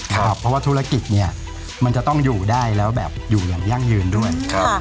เพราะว่าธุรกิจเนี่ยมันจะต้องอยู่ได้แล้วแบบอยู่อย่างยั่งยืนด้วย